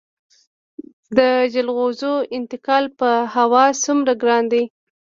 د جلغوزیو انتقال په هوا څومره ګران دی؟